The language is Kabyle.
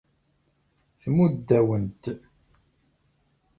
Tmudd-awen-t.